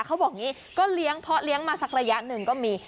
เขาบอกอย่างนี้ก็เลี้ยงเพราะเลี้ยงมาสักระยะหนึ่งก็มี